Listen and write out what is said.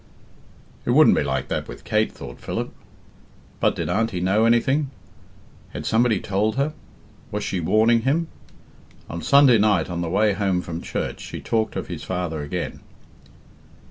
"It wouldn't be like that with Kate," thought Philip. But did Auntie know anything? Had somebody told her? Was she warning him? On Sunday night, on the way home from church, she talked of his father again.